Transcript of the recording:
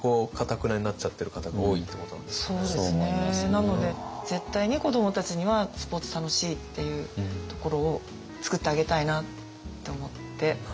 なので絶対に子どもたちにはスポーツ楽しいっていうところをつくってあげたいなって思って。